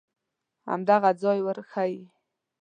همدغه ځای ورښیې.